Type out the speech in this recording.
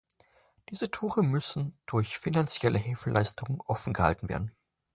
Diese Tore müssen durch finanzielle Hilfeleistungen offen gehalten werden.